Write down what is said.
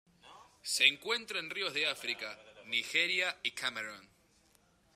Se encuentran en ríos de África: Nigeria y Camerún.